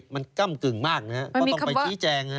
มันก้ำกึ่งมากนะฮะก็ต้องไปชี้แจง